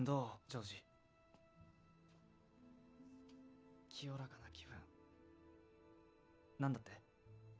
ジョージ清らかな気分何だって？